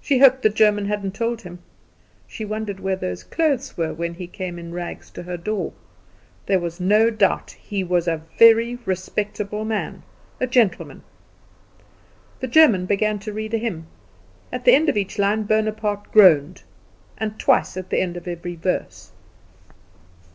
She hoped the German hadn't told him. She wondered where those clothes were when he came in rags to her door. There was no doubt, he was a very respectable man, a gentleman. The German began to read a hymn. At the end of each line Bonaparte groaned, and twice at the end of every verse.